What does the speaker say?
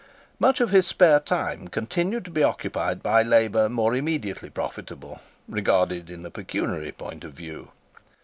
Much of his spare time continued to be occupied by labour more immediately profitable, regarded in a pecuniary point of view.